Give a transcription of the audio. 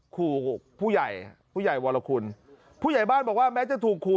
ขู่ผู้ใหญ่ผู้ใหญ่วรคุณผู้ใหญ่บ้านบอกว่าแม้จะถูกขู่